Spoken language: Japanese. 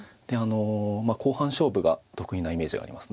後半勝負が得意なイメージがあります。